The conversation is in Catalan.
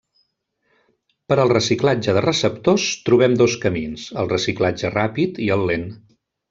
Per al reciclatge de receptors trobem dos camins: el reciclatge ràpid i el lent.